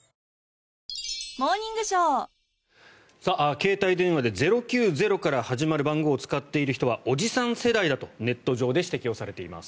携帯電話で０９０から始まる番号を使っている人はおじさん世代だとネット上で指摘をされています。